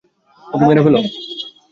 ওকে মেরে ফেল!